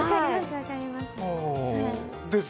分かります。